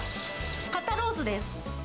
肩ロースです。